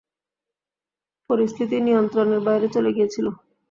পরিস্থিতি নিয়ন্ত্রণের বাইরে চলে গিয়েছিল।